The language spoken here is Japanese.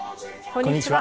こんにちは。